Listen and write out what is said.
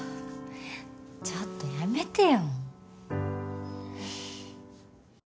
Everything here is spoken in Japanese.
ちょっとやめてよ